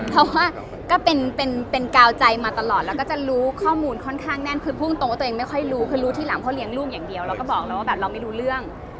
เพราะว่าก็เป็นกาวใจมาตลอดแล้วก็จะรู้ข้อมูลค่อนข้างแน่นคือพูดตรงว่าตัวเองไม่ค่อยรู้คือรู้ทีหลังเพราะเลี้ยงลูกอย่างเดียวเราก็บอกแล้วว่าแบบเราไม่รู้เรื่อง